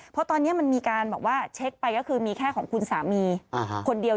เพราะตอนนี้มันมีการบอกว่าเช็คไปก็คือมีแค่ของคุณสามีคนเดียว